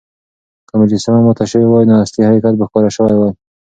که مجسمه ماته شوې وای، نو اصلي حقيقت به ښکاره شوی وای.